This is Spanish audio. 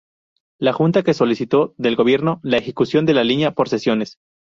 La Junta que solicitó del Gobierno la ejecución de la línea por secciones.